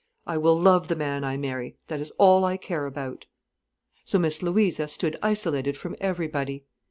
I will love the man I marry—that is all I care about." So Miss Louisa stood isolated from everybody.